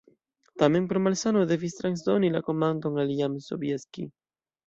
Tamen pro malsano devis transdoni la komandon al Jan Sobieski.